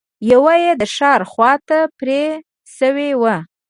يوه يې د ښار خواته پرې شوې وه.